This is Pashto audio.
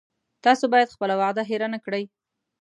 تاسو باید خپله وعده هیره نه کړی